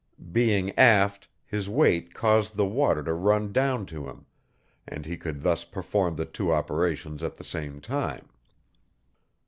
Being aft, his weight caused the water to run down to him, and he could thus perform the two operations at the same time.